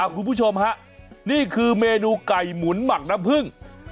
คุณผู้ชมฮะนี่คือเมนูไก่หมุนหมักน้ำผึ้ง